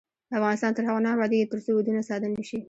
افغانستان تر هغو نه ابادیږي، ترڅو ودونه ساده نشي.